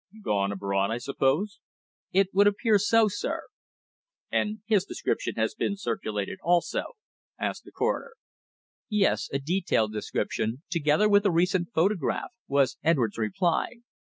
"Gone abroad, I suppose?" "It would appear so, sir." "And his description has been circulated also?" asked the coroner. "Yes, a detailed description, together with a recent photograph," was Edwards' reply.